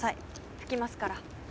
拭きますから。